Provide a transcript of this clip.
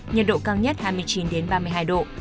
nhiệt độ cao nhất hai mươi chín ba mươi hai độ